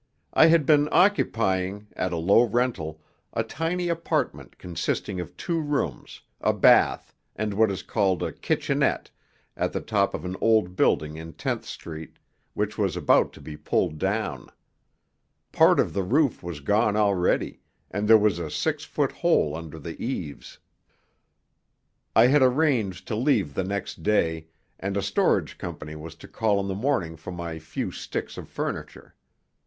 I had been occupying, at a low rental, a tiny apartment consisting of two rooms, a bath, and what is called a "kitchenette" at the top of an old building in Tenth Street which was about to be pulled down. Part of the roof was gone already, and there was a six foot hole under the eaves. I had arranged to leave the next day, and a storage company was to call in the morning for my few sticks of furniture.